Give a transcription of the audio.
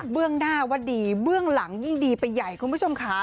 หน้าว่าดีเบื้องหลังยิ่งดีไปใหญ่คุณผู้ชมค่ะ